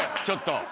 ちょっと。